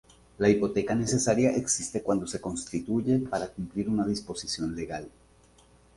La hipoteca necesaria existe cuando se constituye para cumplir una disposición legal.